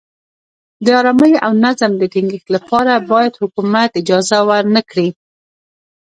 د ارامۍ او نظم د ټینګښت لپاره باید حکومت اجازه ورنه کړي.